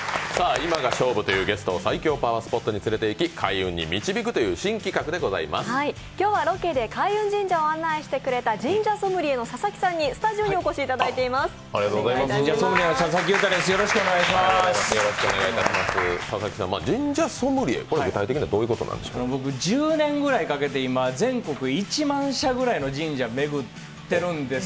今日はロケで開運神社を案内してくれた神社ソムリエの佐々木さんにスタジオにお越しいただいています。